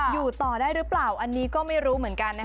อยู่ต่อได้หรือเปล่าอันนี้ก็ไม่รู้เหมือนกันนะคะ